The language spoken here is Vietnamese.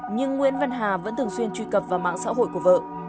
nhưng nguyễn văn hà vẫn thường xuyên truy cập vào mạng xã hội của vợ